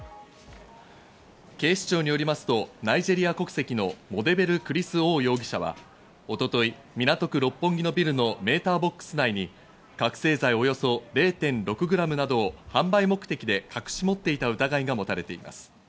警視庁によりますとナイジェリア国籍のモデベル・クリス・オー容疑者は、一昨日、港区六本木のビルのメーターボックス内に覚せい剤、およそ０．６ｇなどを販売目的で隠し持っていた疑いがもたれています。